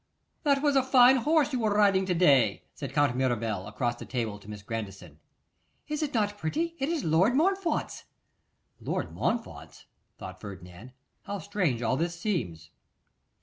'That was a fine horse you were riding to day,' said Count Mirabel, across the table to Miss Grandison. 'Is it not pretty? It is Lord Montfort's.' 'Lord Montfort's!' thought Ferdinand. 'How strange all this seems!